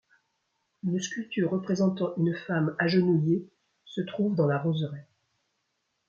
Une sculpture représentant une femme agenouillée se trouve dans la roseraie.